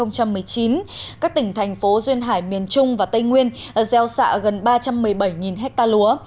các tỉnh thành phố duyên hải miền trung và tây nguyên gieo xạ gần ba trăm một mươi bảy ha lúa